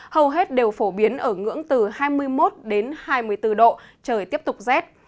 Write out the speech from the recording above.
hầu hết đều phổ biến ở ngưỡng từ hai mươi một đến hai mươi bốn độ trời tiếp tục rét